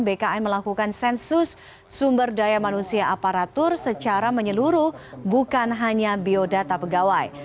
bkn melakukan sensus sumber daya manusia aparatur secara menyeluruh bukan hanya biodata pegawai